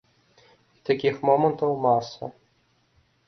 І такіх момантаў маса.